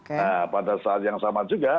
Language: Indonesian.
nah pada saat yang sama juga